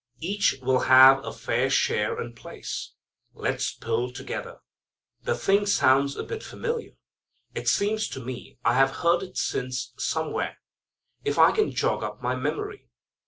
Each will have a fair share and place. Let's pull together. The thing sounds a bit familiar. It seems to me I have heard it since somewhere, if I can jog up my memory.